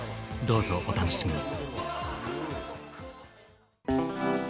どうぞお楽しみに。